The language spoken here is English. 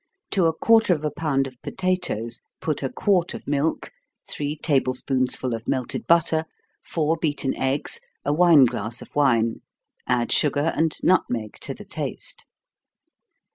To a quarter of a pound of potatoes, put a quart of milk, three table spoonsful of melted butter, four beaten eggs, a wine glass of wine add sugar and nutmeg to the taste.